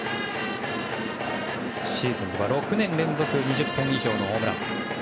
シーズンは６年連続２０本以上のホームラン。